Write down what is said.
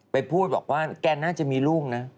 พูดบอกว่าแกน่าจะมีลูกนะ